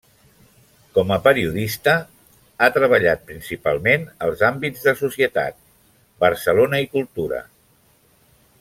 Com a periodista, ha treballat principalment els àmbits de Societat, Barcelona i Cultura.